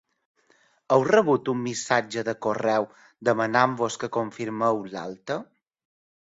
Heu rebut un missatge de correu demanant-vos que confirmeu l'alta?